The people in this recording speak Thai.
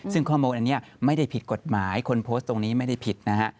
ซึ่งข้อมูลอันนี้ไม่ได้ผิดกฎหมายคนโพสต์ตรงนี้ไม่ได้ผิดนะฮะ